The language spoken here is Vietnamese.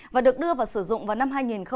và được đưa vào sử dụng vào năm hai nghìn một mươi